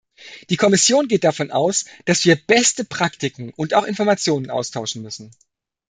Die Kommission geht davon aus, dass wir beste Praktiken und auch Informationen austauschen müssen.